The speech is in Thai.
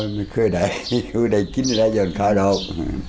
ไม่เคยได้อยู่ได้กินอะไรอย่างนั้นครับ